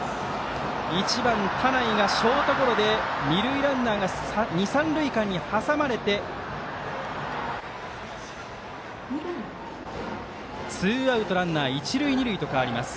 １番、田内がショートゴロで二塁ランナーが二、三塁間に挟まれてツーアウトランナー、一塁二塁と変わります。